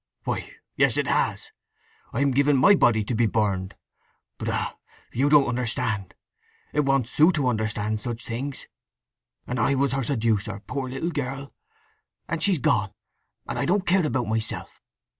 "Why, yes it has! I'm giving my body to be burned! But—ah you don't understand!—it wants Sue to understand such things! And I was her seducer—poor little girl! And she's gone—and I don't care about myself!